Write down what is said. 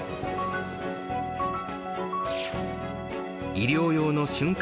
医療用の瞬間